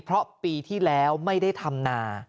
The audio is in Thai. เพราะปีที่แล้วไม่ได้ทำนา